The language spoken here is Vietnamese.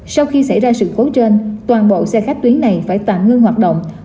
sau khi xảy ra sự cố trên toàn bộ xe khách tuyến này phải tạm ngưng hoạt động